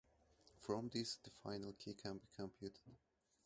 From this, the final key can be computed.